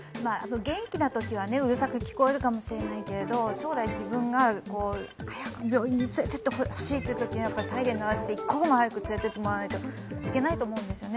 元気なときはうるさく聞こえるかもしれないけど、将来自分が早く病院に連れて行ってほしいというときに、一刻も早く連れていってもらわないといけないと思うんですよね。